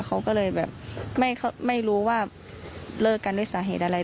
เขาก็เลยแบบไม่รู้ว่าเลิกกันด้วยสาเหตุอะไร